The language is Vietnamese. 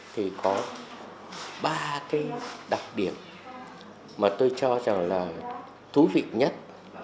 thì có ba cái đặc điểm mà tôi cho rằng là thú vị nhất